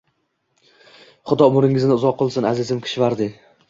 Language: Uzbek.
Xudo umringizni uzoq qilsin, azizim Kishvardi.